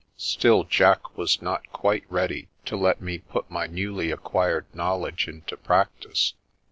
Still Jack was not quite ready to let me put my newly acquired knowl edge into practice.